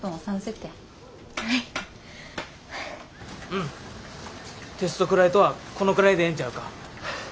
うんテストフライトはこのくらいでええんちゃうか？